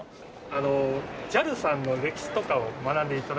あのＪＡＬさんの歴史とかを学んで頂ける。